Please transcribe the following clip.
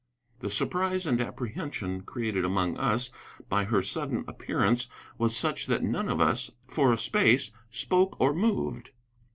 The surprise and apprehension created amongst us by her sudden appearance was such that none of us, for a space, spoke or moved.